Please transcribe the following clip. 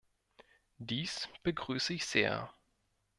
Dies begrüße ich sehr.